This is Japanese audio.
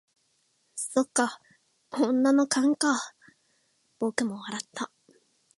「そっか、女の勘か」僕も笑った。